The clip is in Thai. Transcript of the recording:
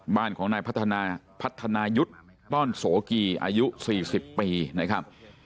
บ้านของนายพัฒนายุทธ์ต้อนโสกีอายุ๔๐ปีนะครับ